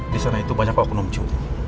di sana itu banyak okunum cu